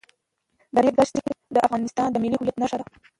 د ریګ دښتې د افغانستان د ملي هویت نښه ده.